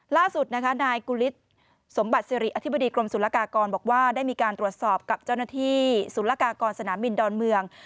ล่าสุดนะคะนายกุฤษสมบัติสิริอธิบดีกรมศุลกากรบอกว่าได้มีการตรวจสอบกับเจ้าหน้าที่ศูนย์ละกากรสนามบินดอนเมือง